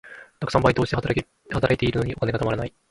たくさんバイトをして、働いているのにお金がたまらない。